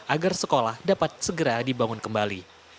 agar sekolah dapat segera dibangun kembali